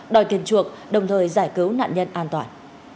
đòi tiền chuộc đồng thời giải cứu nạn nhân an toàn